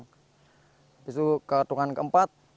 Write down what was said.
habis itu ketuan keempat